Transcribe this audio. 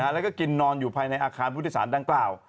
แล้วก็กินนอนอยู่ภายในอาคารผู้โดยสารดังกล่าว